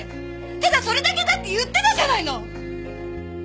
ただそれだけだって言ってたじゃないの！